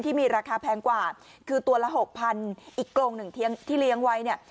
ที่มีราคาแพงกว่าคือตัวละหกพันอีกกรงหนึ่งที่เลี้ยงไว้เนี่ย